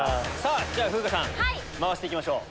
じゃあ風花さん回していきましょう。